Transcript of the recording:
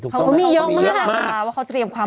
เขามีเยอะมาก